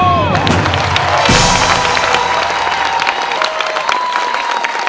เป็นอินโทรเพลงที่๔มูลค่า๖๐๐๐๐บาท